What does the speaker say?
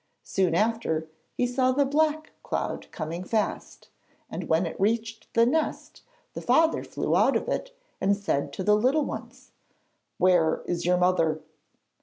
Soon after, he saw the black cloud coming fast, and when it reached the nest the father flew out of it and said to the little ones: 'Where is your mother?'